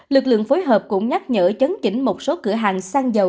lực lượng phối hợp cũng nhắc nhở chấn chỉnh một số cửa hàng xăng dầu